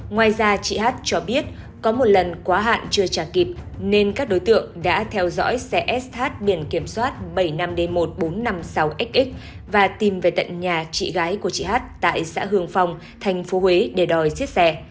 ngoài ra chị hát cho biết có một lần quá hạn chưa trả kịp nên các đối tượng đã theo dõi xe sh biển kiểm soát bảy mươi năm d một nghìn bốn trăm năm mươi sáu x và tìm về tận nhà chị gái của chị hát tại xã hương phong tp huế để đòi xiết xe